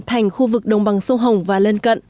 thành khu vực đồng bằng sông hồng và lân cận